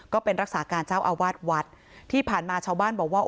ก็เป็นรักษาการเจ้าอาวาสวัดที่ผ่านมาชาวบ้านบอกว่า